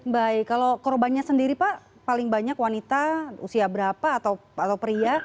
baik kalau korbannya sendiri pak paling banyak wanita usia berapa atau pria